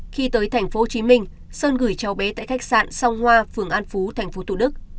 khi tới tp hcm sơn gửi cháu bé tại khách sạn song hoa phường an phú tp thủ đức